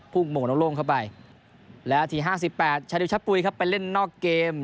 โมงโล่งเข้าไปแล้วที๕๘ชาริวชะปุ๋ยครับไปเล่นนอกเกม